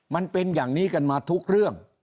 มันเป็นอย่างนี้กันมาทุกเรื่อง